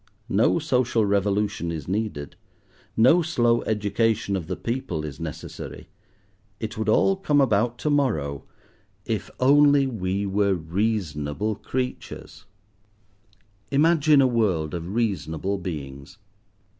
No social revolution is needed, no slow education of the people is necessary. It would all come about to morrow, if only we were reasonable creatures. Imagine a world of reasonable beings!